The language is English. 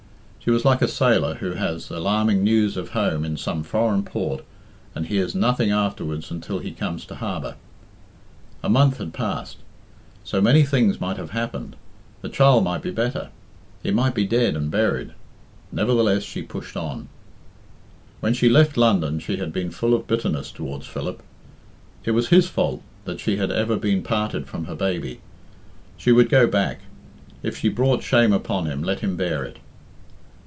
She was like a sailor who has alarming news of home in some foreign port and hears nothing afterwards until he comes to harbour. À month had passed. So many things might have happened. The child might be better; it might be dead and buried. Nevertheless she pushed on. When she left London she had been full of bitterness towards Philip. It was his fault that she had ever been parted from her baby. She would go back. If she brought shame upon him, let him bear it.